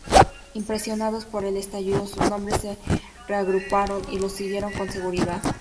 Impresionados por el estallido, sus hombres se reagruparon y lo siguieron con seguridad.